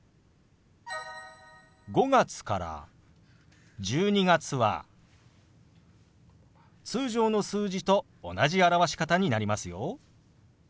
５月から１２月は通常の数字と同じ表し方になりますよ。